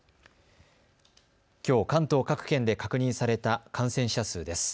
きょう関東各県で確認された感染者数です。